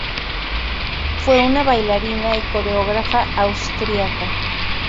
Fue una bailarina y coreógrafa austriaca.